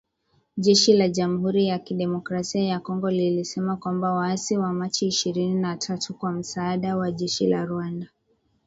Jeshi la jamuhuri ya kidemokrasia ya kongo lilisema kwamba waasi wa Machi ishirini na tatu kwa msaada wa jeshi la Rwanda